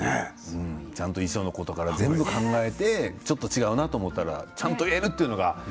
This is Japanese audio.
ちゃんと衣装のことから全部、考えてちょっと違うなと思ったらちゃんと言えるというのは。